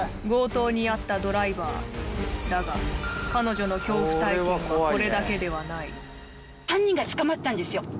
強盗に遭ったドライバーだが彼女の恐怖体験はこれだけではない犯人が捕まったんですよ。